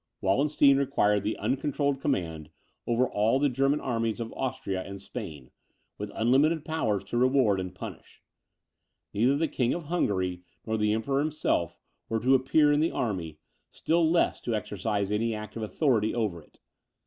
Wallenstein required the uncontrolled command over all the German armies of Austria and Spain, with unlimited powers to reward and punish. Neither the King of Hungary, nor the Emperor himself, were to appear in the army, still less to exercise any act of authority over it.